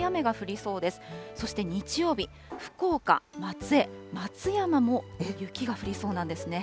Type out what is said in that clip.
そして日曜日、福岡、松江、松山も雪が降りそうなんですね。